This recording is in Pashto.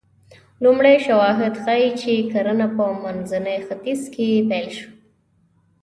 لومړي شواهد ښيي چې کرنه په منځني ختیځ کې پیل شوه